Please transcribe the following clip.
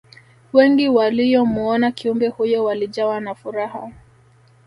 wengi waliyomuona kiumbe huyo walijawa na furaha